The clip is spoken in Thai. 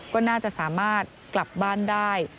ก็น่าจะสามารถกลับบ้านได้